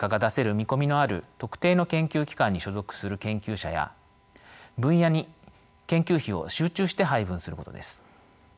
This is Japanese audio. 見込みのある特定の研究機関に所属する研究者や分野に研究費を集中して配分することです。